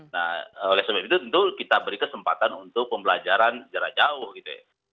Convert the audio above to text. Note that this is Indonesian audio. nah oleh sebab itu tentu kita beri kesempatan untuk pembelajaran jarak jauh gitu ya